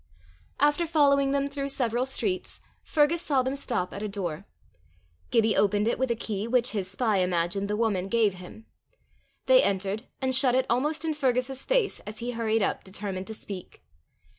After following them through several streets, Fergus saw them stop at a door. Gibbie opened it with a key which his spy imagined the woman gave him. They entered, and shut it almost in Fergus's face, as he hurried up determined to speak.